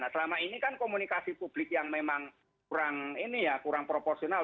selama ini kan komunikasi publik yang memang kurang ini ya kurang proporsional